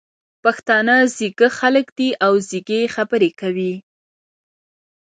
پښتانه ځيږه خلګ دي او ځیږې خبري کوي.